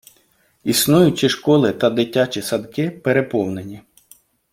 Існуючі школи та дитячі садки переповнені.